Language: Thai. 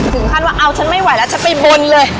ถึงขั้นว่าเอาฉันไม่ไหวแล้วฉันไปบนเลย